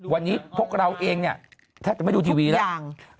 วันนี้พวกเราเองถ้าจะไม่ดูทีวีแล้ว